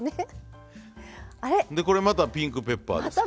あれっ？でこれまたピンクペッパーです。